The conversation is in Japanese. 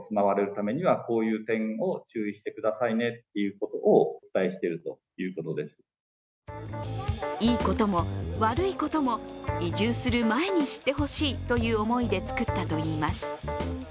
町の担当者はいいことも悪いことも移住する前に知ってほしいという思いでつくったといいます。